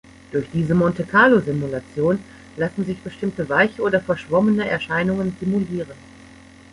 Durch diese Monte-Carlo-Simulation lassen sich bestimmte „weiche“ oder „verschwommene“ Erscheinungen simulieren.